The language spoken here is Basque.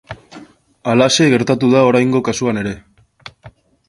Halaxe gertatu da oraingo kasuan ere.